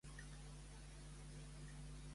Amb quin altre sant no ens podem equivocar?